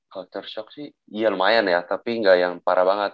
culture shock sih ya lumayan ya tapi nggak yang parah banget